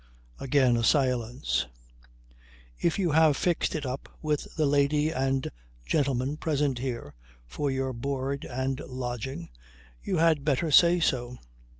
..." Again a silence. "If you have fixed it up with the lady and gentleman present here for your board and lodging you had better say so.